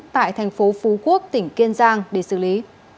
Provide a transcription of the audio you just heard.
tại thành phố phú quốc tỉnh kiên giang để xử lý